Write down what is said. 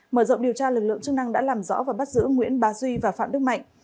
mở rộng điều tra lực lượng chức năng đã làm rõ và bắt giữ nguyễn bà duy và phạm đức mạnh